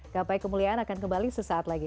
gapai kemuliaan akan kembali sesaat lagi